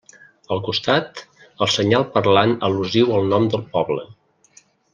Al costat, el senyal parlant al·lusiu al nom del poble.